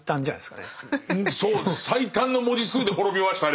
そう最短の文字数で滅びましたね